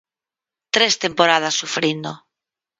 Tres temporadas sufrindo.